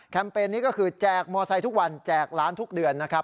แคมเปญนี้ก็คือแจกมอเบอร์ไซค์ทุกวันแจกล้านไมร์ทุกเดือนนะครับ